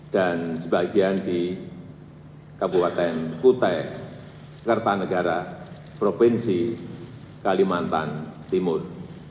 dan sebagian di kabupaten kutai kertanegara provinsi kalimantan timur